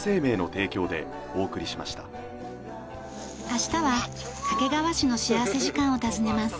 明日は掛川市の幸福時間を訪ねます。